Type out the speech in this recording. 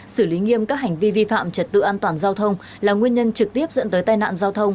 xử lý nghiêm các hành vi vi phạm trật tự an toàn giao thông là nguyên nhân trực tiếp dẫn tới tai nạn giao thông